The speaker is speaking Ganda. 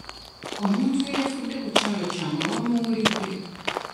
Omuntu eyafudde ku kyalo kyammwe wamuwulidde?